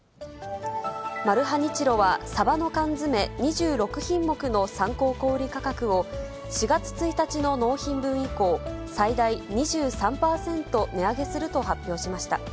マルハニチロは、サバの缶詰２６品目の参考小売り価格を４月１日の納品分以降、最大２３％値上げすると発表しました。